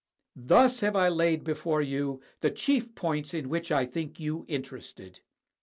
Thus have I laid before you the chief points in which I think you interested.